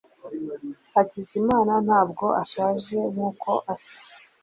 hakizimana ntabwo ashaje nkuko asa